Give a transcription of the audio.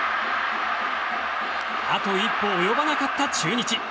あと一歩及ばなかった中日。